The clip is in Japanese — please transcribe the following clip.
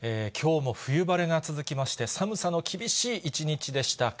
きょうも冬晴れが続きまして、寒さの厳しい一日でした。